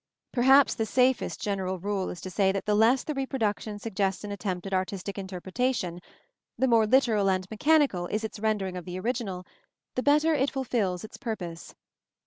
Perhaps the safest general rule is to say that the less the reproduction suggests an attempt at artistic interpretation, the more literal and mechanical is its rendering of the original, the better it fulfils its purpose.